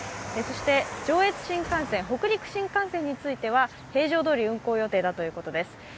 そして、上越新幹線、北陸新幹線については平常どおり運行予定だということです。